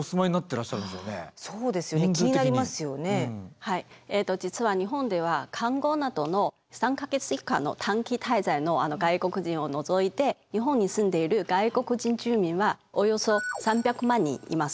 はいえっと実は日本では観光などの３か月以下の短期滞在の外国人を除いて日本に住んでいる外国人住民はおよそ３００万人います。